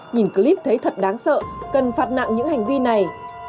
nhìn clip thấy thật đáng sợ cần phạt nặng những hành vi này